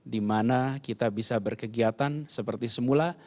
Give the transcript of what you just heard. dimana kita bisa berkegiatan seperti semula